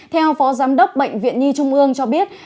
theo phó giám đốc bệnh viện nhi trung ương cho biết